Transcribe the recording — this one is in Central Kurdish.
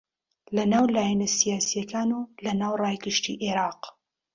لەناو لایەنە سیاسییەکان و لەناو ڕای گشتی عێراق